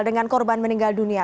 dengan korban meninggal dunia